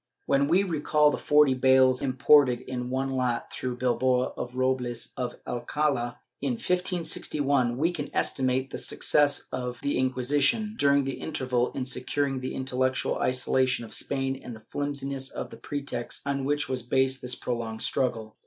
* When we recall the forty bales imported m one lot through Bilbao for Robles of Alcala, in 1561, we can esti mate the success of the Inquisition, during the interval, in securing the intellectual isolation of Spain and the flimsiness of the pretext on which was based this prolonged struggle.